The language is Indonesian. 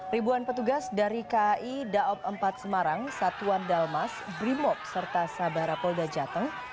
ribuan petugas dari kai daob empat semarang satuan dalmas brimob serta sabara polda jateng